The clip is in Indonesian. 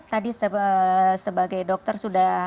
tadi sebagai dokter sudah